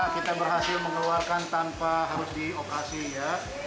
kita berhasil mengeluarkan tanpa harus dioperasi ya